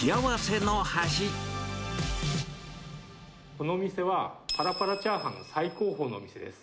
このお店は、ぱらぱらチャーハンの最高峰のお店です。